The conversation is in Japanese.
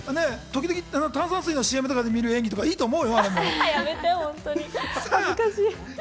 時々、炭酸水のＣＭで見る演技、いいと思うよ。